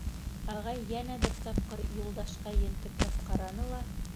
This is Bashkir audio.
Ағай йәнә бер тапҡыр Юлдашҡа ентекләп ҡараны ла: